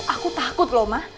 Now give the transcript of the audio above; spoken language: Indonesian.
aku takut loh ma